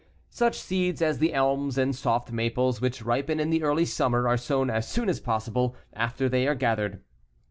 Such seeds as the elms and soft maples, which ripen in the early summer, are sown as soon as possible after they are gathered.